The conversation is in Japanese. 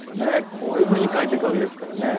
こういうふうに書いていく訳ですからね。